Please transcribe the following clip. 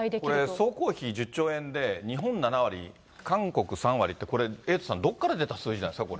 これ、総工費１０兆円で、日本７割、韓国３割って、これ、エイトさん、どっから出た数字なんですか？